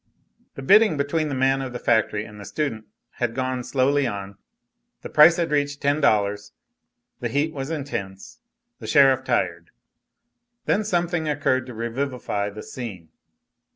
The bidding between the man of the factory and the student had gone slowly on. The price had reached ten dollars. The heat was intense, the sheriff tired. Then something occurred to revivify the scene.